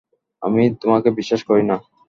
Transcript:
আমি তোমাকে বিশ্বাস করি না।